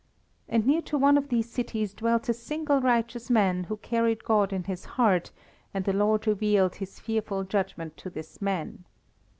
And near to one of these cities dwelt a single righteous man, who carried God in his heart, and the Lord revealed His fearful judgment to this man.